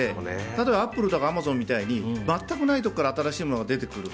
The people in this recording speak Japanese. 例えば、アップルとかアマゾンみたいに全くないところから新しいものが出てくる。